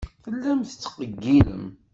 Tellamt tettqeyyilem.